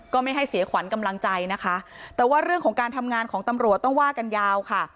ไม่ให้เสียขวัญกำลังใจนะคะแต่ว่าเรื่องของการทำงานของตำรวจต้องว่ากันยาวค่ะ